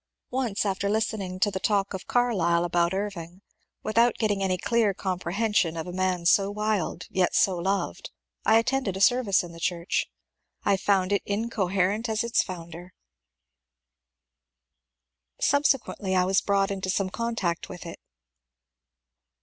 Once, after listening to the talk of Carlyle about Irving without getting any clear comprehension of a man so wild yet so loved, I attended a service in the church. I found it incoherent as its foimder. A HERESY TRIAL 346 Subsequently I was brought into some contact with it.